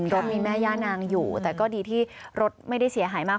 รถมีแม่ย่านางอยู่แต่ก็ดีที่รถไม่ได้เสียหายมาก